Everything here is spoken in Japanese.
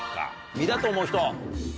実だと思う人。